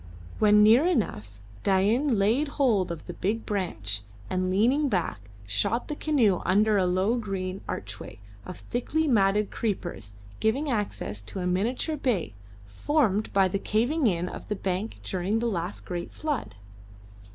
When near enough Dain laid hold of the big branch, and leaning back shot the canoe under a low green archway of thickly matted creepers giving access to a miniature bay formed by the caving in of the bank during the last great flood.